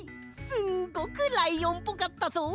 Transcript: すごくライオンっぽかったぞ！